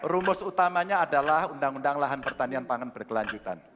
rumus utamanya adalah undang undang lahan pertanian pangan berkelanjutan